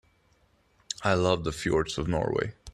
I love the fjords of Norway.